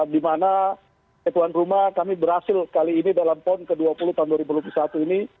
di mana tuan rumah kami berhasil kali ini dalam pon ke dua puluh tahun dua ribu dua puluh satu ini